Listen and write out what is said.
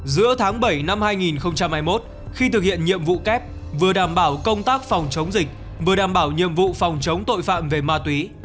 giữa tháng bảy năm hai nghìn hai mươi một khi thực hiện nhiệm vụ kép vừa đảm bảo công tác phòng chống dịch vừa đảm bảo nhiệm vụ phòng chống tội phạm về ma túy